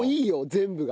全部が。